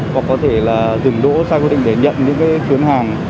hoặc có thể là dừng đỗ sai quy định để nhận những cái chuyến hàng